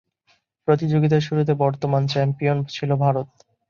প্রতিযোগিতার শুরুতে বর্তমান চ্যাম্পিয়ন ছিল ভারত।